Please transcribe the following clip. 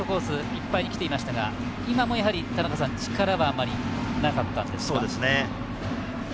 いっぱいにきていましたが今も、やはり力はあまりなかったんですか。